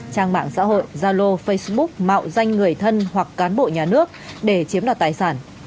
trang mạng xã hội gia lô facebook mạo danh người thân hoặc cán bộ nhà nước để chiếm đặt tài sản